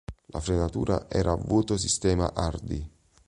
La frenatura era a vuoto sistema Hardy.